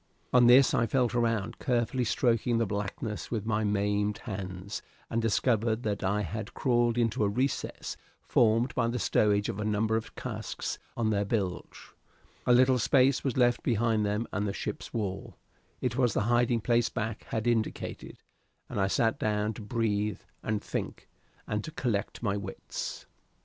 On this I felt around, carefully stroking the blackness with my maimed hands, and discovered that I had crawled into a recess formed by the stowage of a number of casks on their bilge; a little space was left behind them and the ship's wall; it was the hiding place Back had indicated, and I sat down to breathe and think, and to collect my wits.